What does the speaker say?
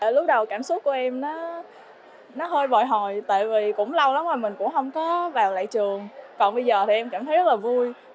lúc đầu cảm xúc của em nó hơi bồi hồi tại vì cũng lâu lắm mà mình cũng không có vào lại trường còn bây giờ thì em cảm thấy rất là vui